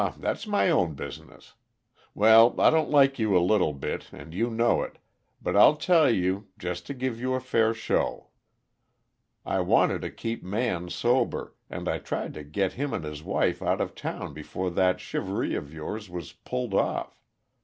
"Ah that's my own business. Well, I don't like you a little bit, and you know it; but I'll tell you, just to give you a fair show. I wanted to keep Man sober, and I tried to get him and his wife out of town before that shivaree of yours was pulled off.